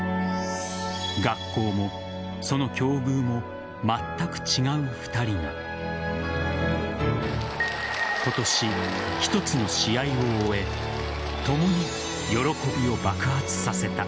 学校も、その境遇もまったく違う２人が今年、一つの試合を終え共に喜びを爆発させた。